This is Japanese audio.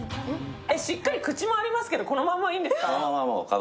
しっかり口もありますけど、このままいいんですか？